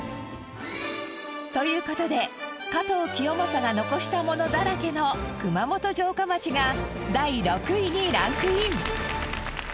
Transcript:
という事で加藤清正が残したものだらけの熊本城下町が第６位にランクイン。